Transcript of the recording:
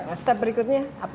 nah step berikutnya